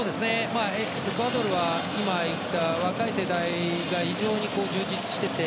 エクアドルは今、言った若い世代が非常に充実していて。